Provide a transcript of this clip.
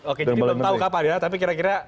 oke jadi belum tahu kapan ya tapi kira kira